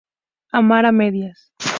Amar a medias